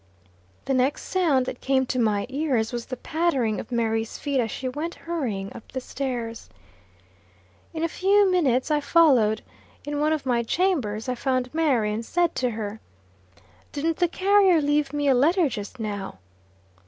The next sound that came to my ears was the pattering of Mary's feet as she went hurrying up the stairs. In a few minutes I followed. In one of my chambers I found Mary, and said to her: "Didn't the carrier leave me a letter just now?"